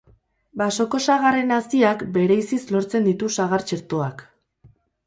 Basoko sagarren haziak bereiziz lortzen ditu sagar txertoak.